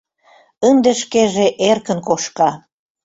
Ынде шкеже эркын кошка.